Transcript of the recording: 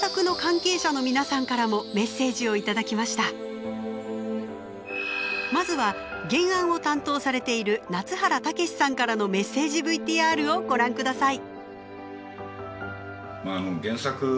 今日はまずは原案を担当されている夏原武さんからのメッセージＶＴＲをご覧ください。